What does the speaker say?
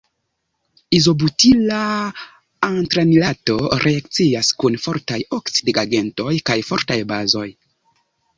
Izobutila antranilato reakcias kun fortaj oksidigagentoj kaj fortaj bazoj.